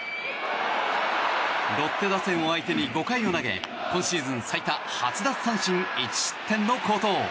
ロッテ打線を相手に５回を投げ今シーズン最多８奪三振１失点の好投。